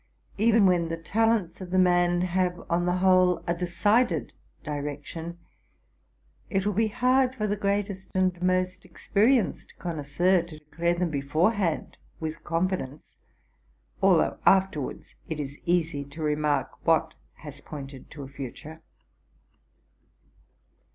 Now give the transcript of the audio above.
Even when the talents of the man have on the whole a decided direction, it will be hard for the greatest and most experienced connoisseur to declare them beforehand with confidence ; although afterwards it is easy to remark what has pointed to a future.